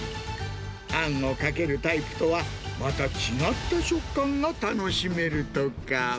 あんをかけるタイプとは、また違った食感が楽しめるとか。